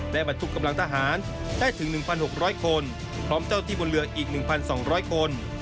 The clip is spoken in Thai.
และบรรทุกกำลังทหารได้ถึง๑๖๐๐คนพร้อมเจ้าที่บนเรืออีก๑๒๐๐คน